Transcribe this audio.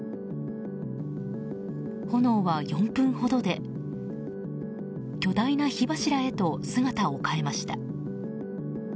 炎は４分ほどで巨大な火柱へと姿を変えました。